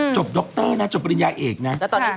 จบดรนะจบปริญญาเอกนะ